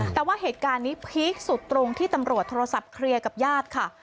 แต่ว่าเหตุการณ์นี้พีคสุดตรงที่ตำรวจโทรศัพท์เคลียร์กับญาติค่ะ